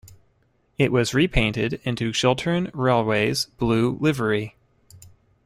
It was repainted into Chiltern Railways blue livery.